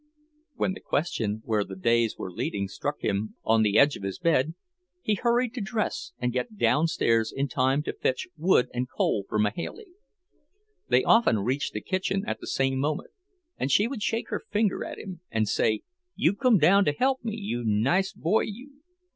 When the question where the days were leading struck him on the edge of his bed, he hurried to dress and get down stairs in time to fetch wood and coal for Mahailey. They often reached the kitchen at the same moment, and she would shake her finger at him and say, "You come down to help me, you nice boy, you!"